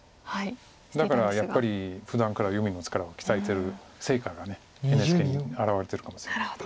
だからやっぱりふだんから読みの力も鍛えてる成果がＮＨＫに表れてるかもしれない。